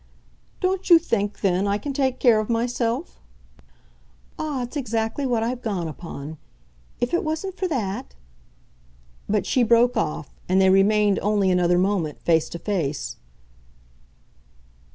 "Don't you think then I can take care of myself?" "Ah, it's exactly what I've gone upon. If it wasn't for that !" But she broke off, and they remained only another moment face to face.